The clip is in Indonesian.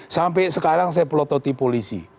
sampai sekarang saya pelototi polisi